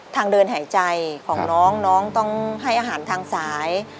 ทางเดินหายใจของน้องน้องต้องให้อาหารทางสาย